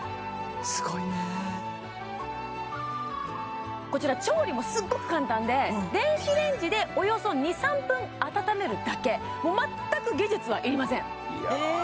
すごいねこちら調理もすっごく簡単で電子レンジでおよそ２３分温めるだけ全く技術はいりませんええ